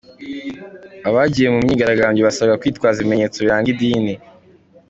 Abagiye mu myigaragambyo basabwaga kwitwaza ibimenyetso biranga idini.